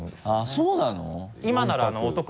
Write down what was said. そうなの？